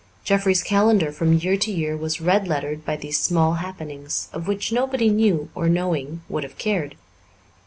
Jeffrey's calendar from year to year was red lettered by these small happenings, of which nobody knew, or, knowing, would have cared.